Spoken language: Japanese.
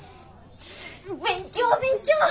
勉強勉強！